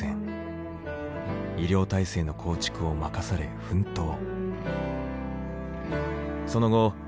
医療体制の構築を任され奮闘。